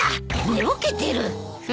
寝ぼけてる。